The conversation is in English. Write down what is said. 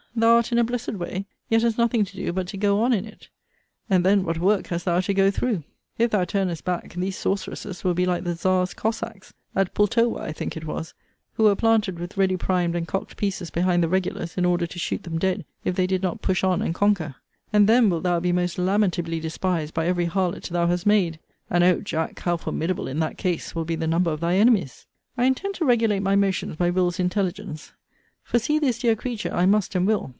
thou art in a blessed way; yet hast nothing to do but to go on in it: and then what work hast thou to go through! If thou turnest back, these sorceresses will be like the czar's cossacks, [at Pultowa, I think it was,] who were planted with ready primed and cocked pieces behind the regulars, in order to shoot them dead, if they did not push on and conquer; and then wilt thou be most lamentably despised by every harlot thou hast made and, O Jack, how formidable, in that case, will be the number of thy enemies! I intend to regulate my motions by Will.'s intelligence; for see this dear creature I must and will.